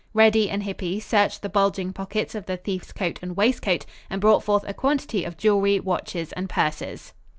Reddy and Hippy searched the bulging pockets of the thief's coat and waistcoat, and brought forth a quantity of jewelry, watches and purses.